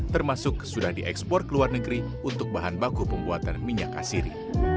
termasuk sudah diekspor ke luar negeri untuk bahan baku pembuatan minyak asiri